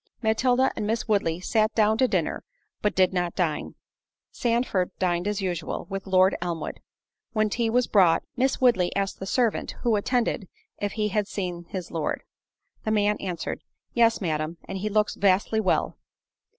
Matilda and Miss Woodley sat down to dinner, but did not dine. Sandford dined as usual, with Lord Elmwood. When tea was brought, Miss Woodley asked the servant, who attended, if he had seen his Lord. The man answered, "Yes, Madam; and he looks vastly well."